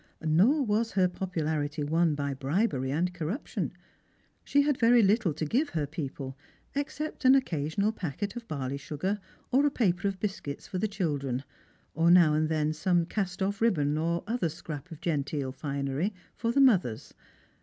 Nor was her popularity won by bribery and corruption. She had very little to give her people, except Q 30 Strangers and Pilgrims. an occasional packet of barley sugar or a paper of biscuits for the children, or now and then some cast off ribbon or other ecrap of genteel finery for the mothers.